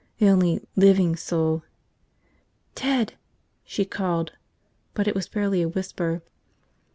The only living soul ... "Ted!" she called, but it was barely a whisper.